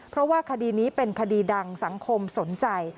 เพราะว่าคดีนี้เป็นคดีดังสังคมสนใจ